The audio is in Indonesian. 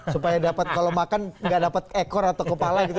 supaya dapat kalau makan gak dapat ekor atau kepala gitu